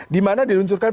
di mana diluncurkan pada